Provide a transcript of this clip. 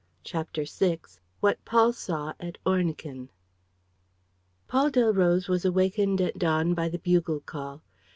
CHAPTER VI WHAT PAUL SAW AT ORNEQUIN Paul Delroze was awakened at dawn by the bugle call.